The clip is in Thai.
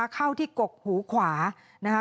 เข้าที่กกหูขวานะคะ